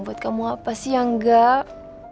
buat kamu apa sih yang enggak